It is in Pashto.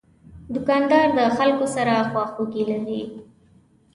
دوکاندار د خلکو سره خواخوږي لري.